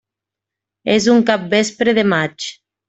És un capvespre de maig.